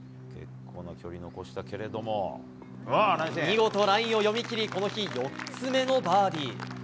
見事、ラインを読み切りこの日４つ目のバーディー。